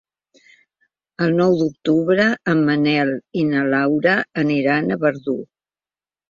El nou d'octubre en Manel i na Laura aniran a Verdú.